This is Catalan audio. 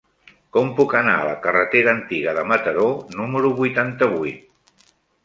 Com puc anar a la carretera Antiga de Mataró número vuitanta-vuit?